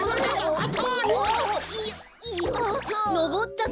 あっ！